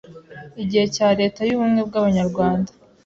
Igihe cya Leta y’Ubumwe bw’Abanyarwanda